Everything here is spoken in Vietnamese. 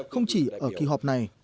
không chỉ ở kỳ họp này